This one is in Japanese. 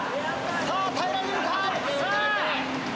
さあ耐えられるか！？